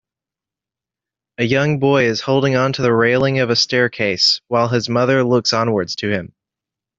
A young boy is holding onto railing of a staircase while his mother looks onwards to him.